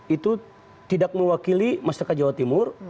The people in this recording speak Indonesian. itu tidak mewakili masyarakat jawa timur